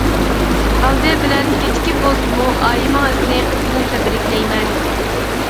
ئالدى بىلەن كېچىكىپ بولسىمۇ ئايىمىڭىزنى قىزغىن تەبرىكلەيمەن.